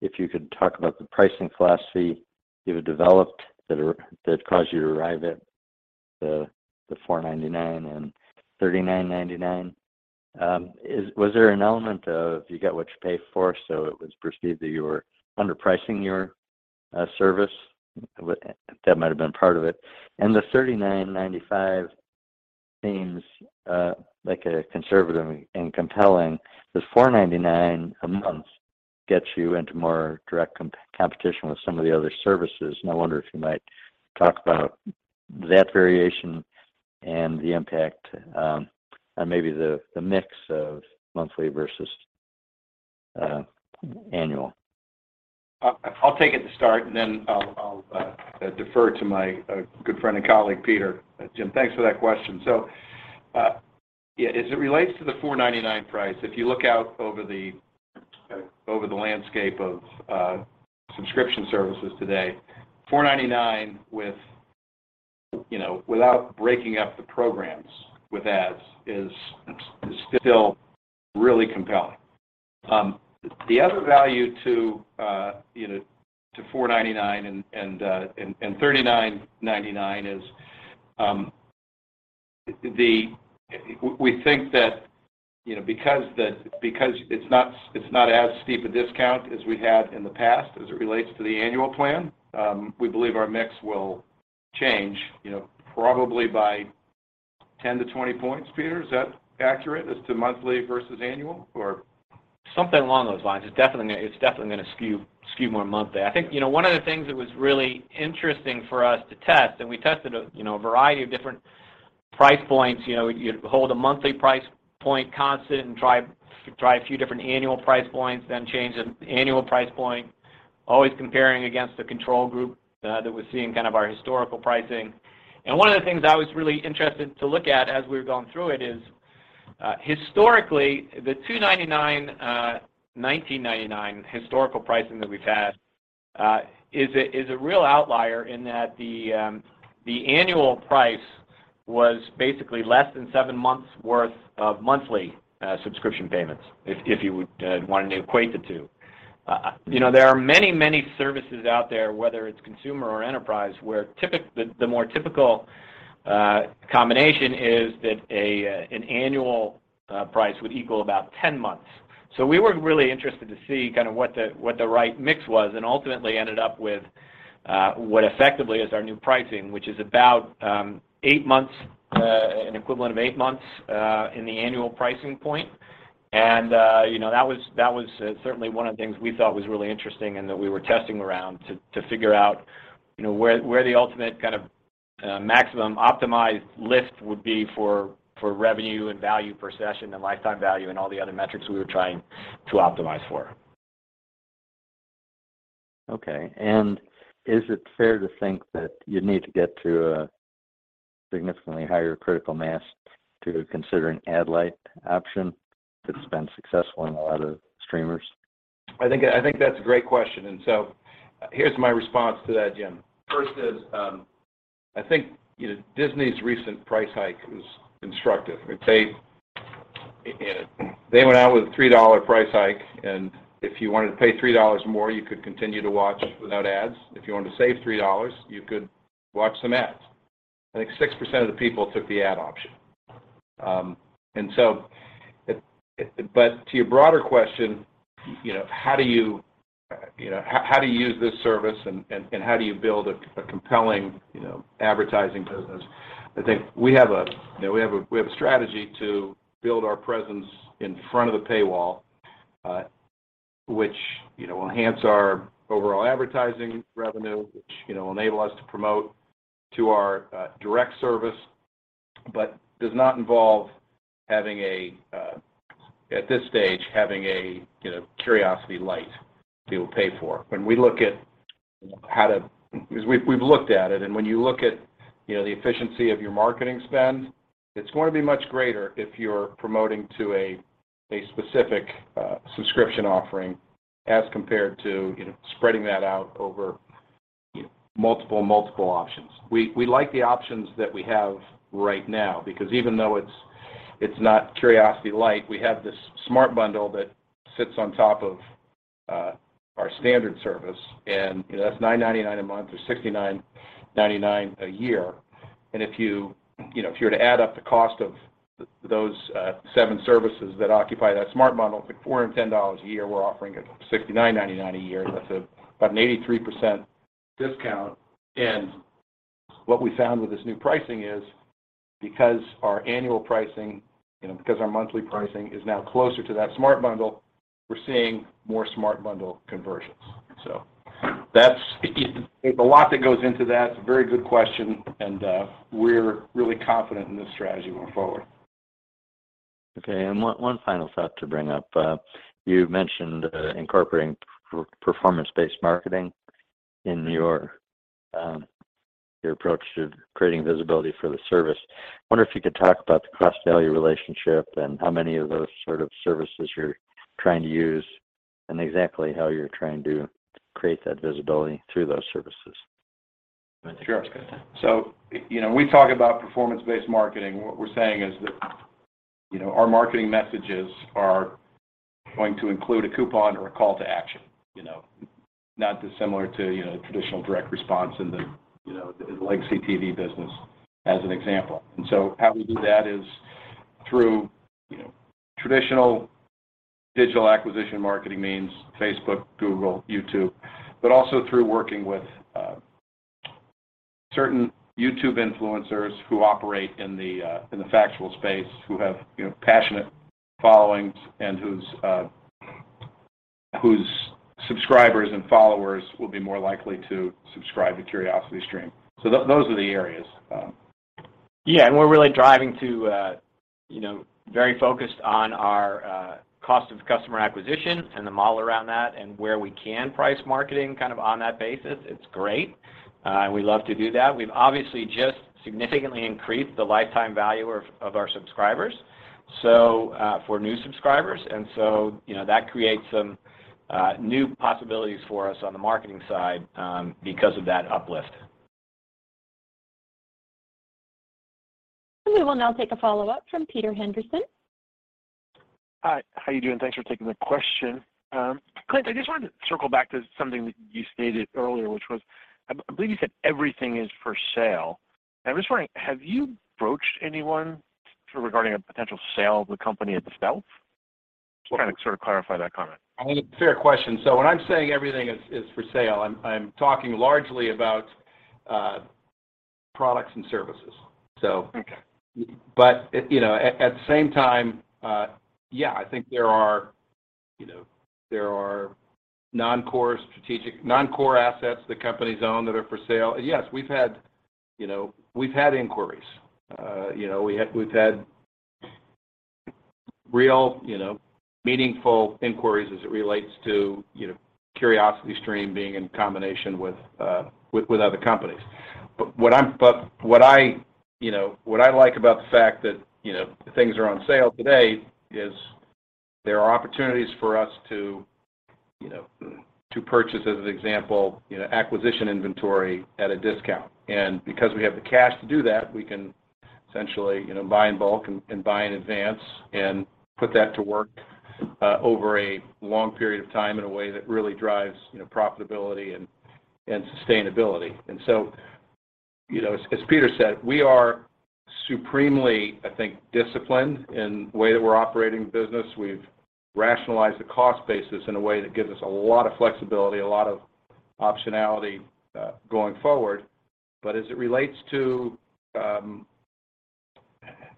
J: if you could talk about the pricing philosophy you have developed that caused you to arrive at the $4.99 and $39.99. Was there an element of you get what you pay for, so it was perceived that you were underpricing your service? That might have been part of it. The $39.95 seems like a conservative and compelling. Does $4.99 a month get you into more direct competition with some of the other services? I wonder if you might talk about that variation and the impact on maybe the mix of monthly versus annual.
C: I'll take it to start, then I'll defer to my good friend and colleague, Peter. Jim, thanks for that question. Yeah, as it relates to the $4.99 price, if you look out over the landscape of subscription services today, $4.99 with, you know, without breaking up the programs with ads is still really compelling. The other value to, you know, to $4.99 and $39.99 is we think that, you know, because it's not as steep a discount as we had in the past as it relates to the annual plan, we believe our mix will change, you know, probably by 10-20 points. Peter, is that accurate as to monthly versus annual or?
E: Something along those lines. It's definitely gonna skew more monthly. I think, you know, one of the things that was really interesting for us to test, and we tested a, you know, variety of different price points, you know. You'd hold a monthly price point constant and try a few different annual price points, then change the annual price point, always comparing against the control group that was seeing kind of our historical pricing. One of the things I was really interested to look at as we were going through it is historically, the $2.99, $19.99 historical pricing that we've had is a real outlier in that the annual price was basically less than seven months worth of monthly subscription payments if you would wanted to equate the two. You know, there are many, many services out there, whether it's consumer or enterprise, where the more typical combination is that an annual price would equal about 10 months. We were really interested to see kind of what the right mix was and ultimately ended up with what effectively is our new pricing, which is about 8 months, an equivalent of 8 months, in the annual pricing point. You know, that was certainly one of the things we thought was really interesting and that we were testing around to figure out, you know, where the ultimate kind of maximum optimized lift would be for revenue and value per session and lifetime value and all the other metrics we were trying to optimize for.
J: Okay. Is it fair to think that you need to get to a significantly higher critical mass to consider an ad light option that's been successful in a lot of streamers?
C: I think that's a great question. Here's my response to that, Jim. First is, I think, you know, Disney's recent price hike was instructive. They went out with a $3 price hike, and if you wanted to pay $3 more, you could continue to watch without ads. If you wanted to save $3, you could watch some ads. I think 6% of the people took the ad option. To your broader question, you know, how do you know, how do you use this service and how do you build a compelling, you know, advertising business? I think we have a, you know, we have a strategy to build our presence in front of the paywall, which, you know, enhance our overall advertising revenue, which, you know, enable us to promote to our direct service, but does not involve having a, at this stage, having a, you know, Curiosity Lite people pay for. When we look at how to. Because we've looked at it, and when you look at, you know, the efficiency of your marketing spend, it's gonna be much greater if you're promoting to a specific subscription offering as compared to, you know, spreading that out over, you know, multiple options. We like the options that we have right now because even though it's not Curiosity Lite, we have this Smart Bundle that sits on top of our standard service. You know, that's $9.99 a month or $69.99 a year. If you know, if you were to add up the cost of those seven services that occupy that Smart Bundle, it's $410 a year. We're offering it $69.99 a year. That's about an 83% discount. What we found with this new pricing is because our annual pricing, you know, because our monthly pricing is now closer to that Smart Bundle, we're seeing more Smart Bundle conversions. There's a lot that goes into that. It's a very good question, we're really confident in this strategy going forward.
J: Okay. One final thought to bring up. You mentioned, incorporating performance-based marketing
K: In your approach to creating visibility for the service, I wonder if you could talk about the cost-value relationship and how many of those sort of services you're trying to use and exactly how you're trying to create that visibility through those services.
C: Sure. You know, when we talk about performance-based marketing, what we're saying is that, you know, our marketing messages are going to include a coupon or a call to action. You know, not dissimilar to, you know, traditional direct response in the, you know, the legacy TV business as an example. How we do that is through, you know, traditional digital acquisition marketing means Facebook, Google, YouTube, but also through working with certain YouTube influencers who operate in the factual space, who have, you know, passionate followings and whose subscribers and followers will be more likely to subscribe to CuriosityStream. Those are the areas.
E: Yeah. We're really driving to, you know, very focused on our cost of customer acquisition and the model around that and where we can price marketing kind of on that basis. It's great, and we love to do that. We've obviously just significantly increased the lifetime value of our subscribers, so for new subscribers, and so, you know, that creates some new possibilities for us on the marketing side because of that uplift.
A: We will now take a follow-up from Peter Henderson.
L: Hi. How you doing? Thanks for taking the question. Clint, I just wanted to circle back to something that you stated earlier, which was I believe you said everything is for sale. I'm just wondering, have you broached anyone regarding a potential sale of the company itself? Just trying to sort of clarify that comment.
C: I mean, fair question. When I'm saying everything is for sale, I'm talking largely about products and services.
L: Okay.
C: You know, at the same time, yeah, I think there are, you know, there are non-core assets the company own that are for sale. Yes, we've had, you know, we've had inquiries. You know, we've had real, you know, meaningful inquiries as it relates to, you know, CuriosityStream being in combination with other companies. What I, you know, what I like about the fact that, you know, things are on sale today is there are opportunities for us to, you know, to purchase, as an example, you know, acquisition inventory at a discount. Because we have the cash to do that, we can essentially, you know, buy in bulk and buy in advance and put that to work, over a long period of time in a way that really drives, you know, profitability and sustainability. So, you know, as Peter said, we are supremely, I think, disciplined in the way that we're operating the business. We've rationalized the cost basis in a way that gives us a lot of flexibility, a lot of optionality, going forward.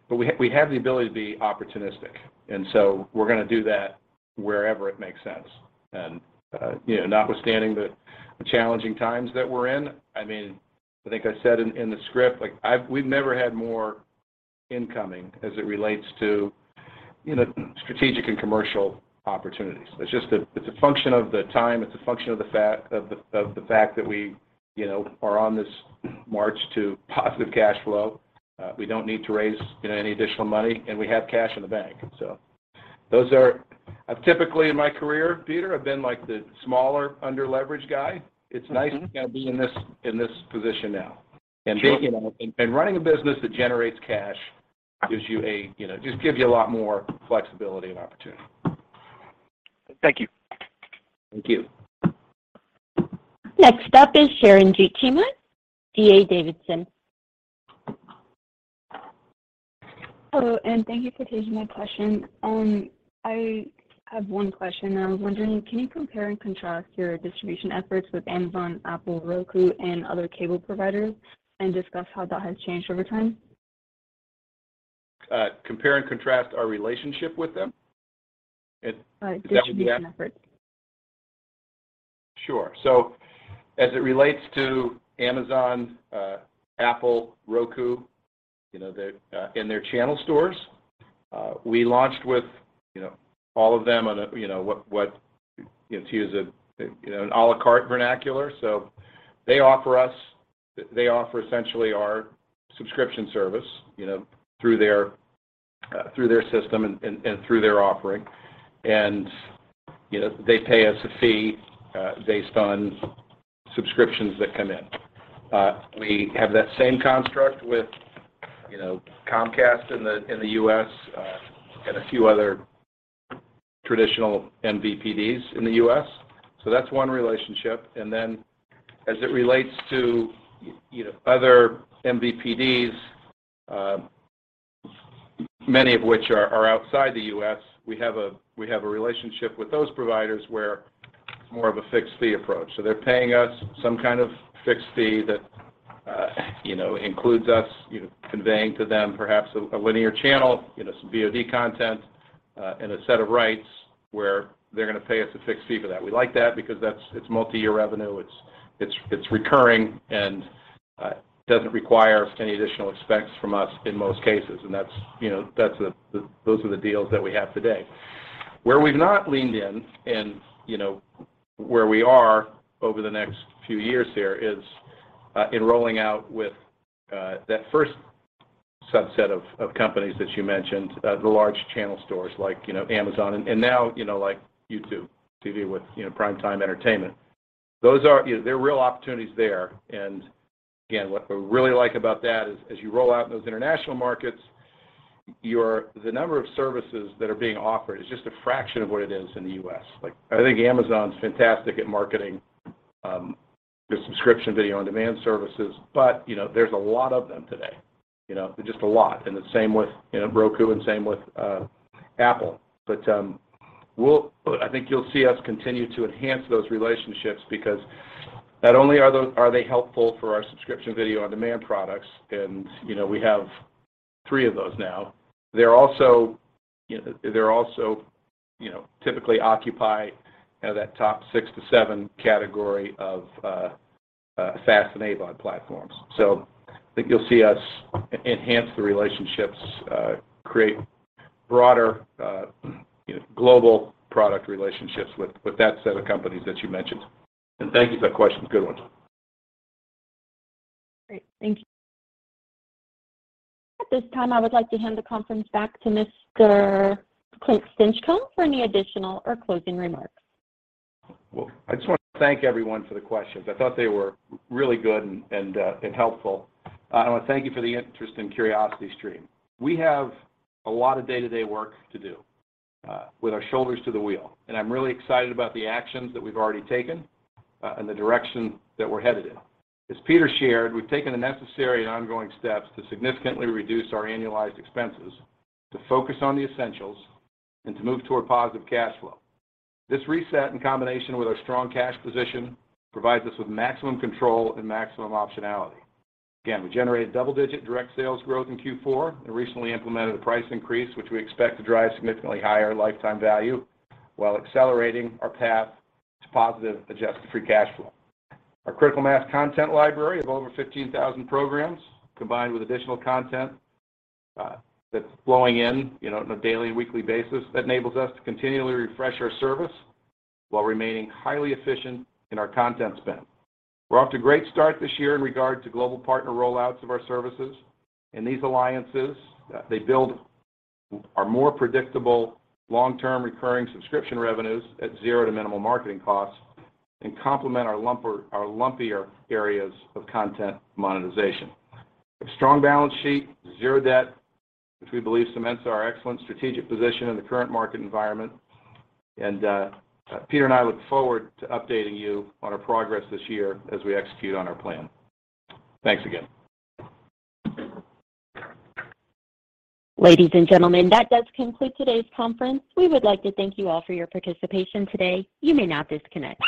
C: We, we have the ability to be opportunistic, and so we're gonna do that wherever it makes sense. You know, notwithstanding the challenging times that we're in, I mean, I think I said in the script, like we've never had more incoming as it relates to, you know, strategic and commercial opportunities. It's just a function of the time. It's a function of the fact that we, you know, are on this march to positive cash flow. We don't need to raise, you know, any additional money, and we have cash in the bank. Those are, I've typically, in my career, Peter, I've been like the smaller underleveraged guy.
L: Mm-hmm.
C: It's nice to kind of be in this, in this position now.
L: Sure.
C: You know, and running a business that generates cash gives you a, you know, just gives you a lot more flexibility and opportunity.
L: Thank you.
C: Thank you.
A: Next up is Sharon Gee, D.A. Davidson.
K: Hello, thank you for taking my question. I have 1 question. I was wondering, can you compare and contrast your distribution efforts with Amazon, Apple, Roku, and other cable providers, and discuss how that has changed over time?
C: Compare and contrast our relationship with them? Is that what you ask?
K: distribution efforts.
C: Sure. As it relates to Amazon, Apple, Roku, you know, their, in their channel stores, we launched with, you know, all of them on a, you know, to use a, you know, an à la carte vernacular. They offer essentially our subscription service, you know, through their, through their system and, and through their offering. They pay us a fee, based on subscriptions that come in. We have that same construct with, you know, Comcast in the U.S., and a few other traditional MVPDs in the U.S. That's one relationship. As it relates to, you know, other MVPDs, many of which are outside the U.S., we have a relationship with those providers where it's more of a fixed fee approach. They're paying us some kind of fixed fee that, you know, includes us, you know, conveying to them perhaps a linear channel, you know, some VOD content, and a set of rights where they're gonna pay us a fixed fee for that. We like that because it's multi-year revenue. It's recurring and doesn't require any additional expense from us in most cases. That's, you know, those are the deals that we have today. Where we've not leaned in and, you know, where we are over the next few years here is in rolling out with that first subset of companies that you mentioned, the large channel stores like, you know, Amazon and now, you know, like YouTube to do with, you know, prime time entertainment. There are real opportunities there. Again, what we really like about that is as you roll out in those international markets, the number of services that are being offered is just a fraction of what it is in the U.S. Like, I think Amazon's fantastic at marketing their subscription video on demand services, but, you know, there's a lot of them today. You know, just a lot. The same with, you know, Roku and same with Apple. I think you'll see us continue to enhance those relationships because not only are they helpful for our subscription video on demand products, and, you know, we have 3 of those now, they're also, you know, they're also, you know, typically occupy, you know, that top 6 to 7 category of FAST and AVOD platforms. I think you'll see us enhance the relationships, create broader, you know, global product relationships with that set of companies that you mentioned. Thank you for that question. Good one.
A: Great. Thank you. At this time, I would like to hand the conference back to Mr. Clint Stinchcomb for any additional or closing remarks.
C: Well, I just want to thank everyone for the questions. I thought they were really good and helpful. I want to thank you for the interest in CuriosityStream. We have a lot of day-to-day work to do, with our shoulders to the wheel, and I'm really excited about the actions that we've already taken, and the direction that we're headed in. As Peter shared, we've taken the necessary and ongoing steps to significantly reduce our annualized expenses, to focus on the essentials, and to move toward positive cash flow. This reset in combination with our strong cash position provides us with maximum control and maximum optionality. Again, we generated double-digit direct sales growth in Q4 and recently implemented a price increase, which we expect to drive significantly higher lifetime value while accelerating our path to positive Adjusted Free Cash Flow. Our Critical Mass content library of over 15,000 programs, combined with additional content, that's flowing in, you know, on a daily and weekly basis enables us to continually refresh our service while remaining highly efficient in our content spend. We're off to a great start this year in regard to global partner rollouts of our services. These alliances, they build our more predictable long-term recurring subscription revenues at zero to minimal marketing costs and complement our lumpier areas of content monetization. A strong balance sheet, zero debt, which we believe cements our excellent strategic position in the current market environment. Peter and I look forward to updating you on our progress this year as we execute on our plan. Thanks again.
A: Ladies and gentlemen, that does conclude today's conference. We would like to thank you all for your participation today. You may now disconnect.